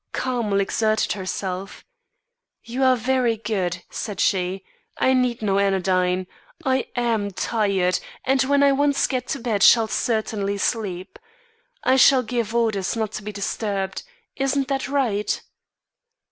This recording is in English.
Carmel exerted herself. "You are very good," said she, "I need no anodyne. I am tired and when I once get to bed shall certainly sleep. I shall give orders not to be disturbed. Isn't that right?"